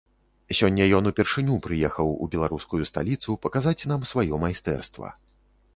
Сёння ён упершыню прыехаў у беларускую сталіцу паказаць нам сваё майстэрства.